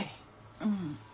うん。